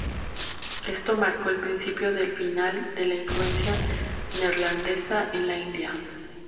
Esto marcó el principio del final de la influencia neerlandesa en la India.